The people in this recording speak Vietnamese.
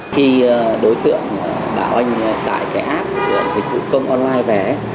khi đối tượng bảo anh tải cái app của thị trụ công online về